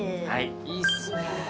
いいっすね。